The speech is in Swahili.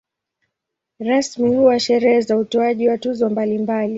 Rasmi huwa sherehe za utoaji wa tuzo mbalimbali.